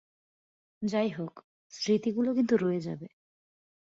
যাইহোক, স্মৃতিগুলো কিন্তু রয়ে যাবে।